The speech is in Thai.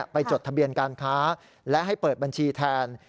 จดทะเบียนการค้าและให้เปิดบัญชีแทน